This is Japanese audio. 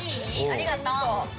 ありがとう。